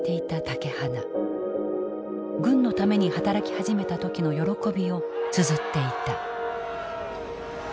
軍のために働き始めた時の喜びを綴っていた。